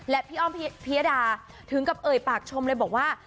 และพี่อ้อมพิยดาถึงกับเอ่ยปากชมเลยบอกว่า